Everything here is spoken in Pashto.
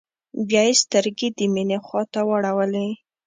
بيا يې سترګې د مينې خواته واړولې.